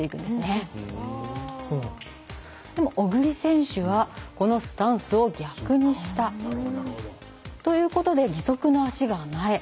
でも小栗選手は、このスタンスを逆にした。ということで、義足の足が前。